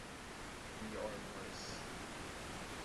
We are worse.